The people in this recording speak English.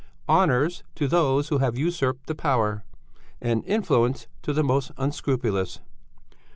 "Honours to those who have usurped the power, and influence to the most unscrupulous."